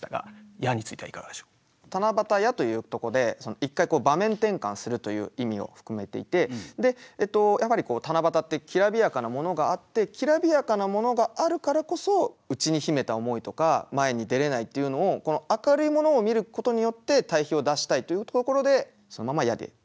「七夕や」というとこで一回場面転換するという意味を含めていてやっぱり七夕ってきらびやかなものがあってきらびやかなものがあるからこそ内に秘めた思いとか前に出れないっていうのを明るいものを見ることによって対比を出したいというところでそのまま「や」で通しました。